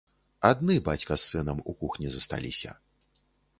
Адны, бацька з сынам, у кухні засталіся.